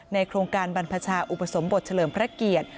โครงการบรรพชาอุปสมบทเฉลิมพระเกียรติ